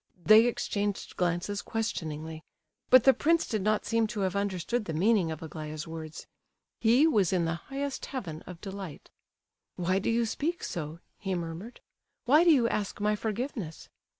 They exchanged glances questioningly, but the prince did not seem to have understood the meaning of Aglaya's words; he was in the highest heaven of delight. "Why do you speak so?" he murmured. "Why do you ask my forgiveness?"